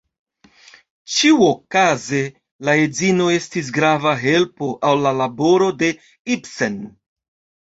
Ĉiuokaze la edzino estis grava helpo al la laboro de Ibsen.